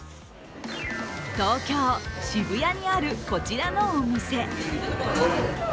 東京・渋谷にあるこちらのお店。